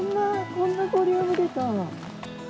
こんなボリューム出た？